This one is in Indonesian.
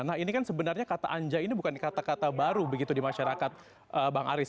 nah ini kan sebenarnya kata anja ini bukan kata kata baru begitu di masyarakat bang aris